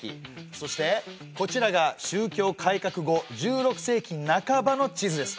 そしてこちらが宗教改革後１６世紀なかばの地図です。